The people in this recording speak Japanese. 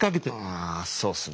あそうっすね。